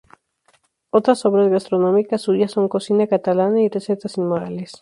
Otras obras gastronómicas suyas son "Cocina catalana" y "Recetas inmorales".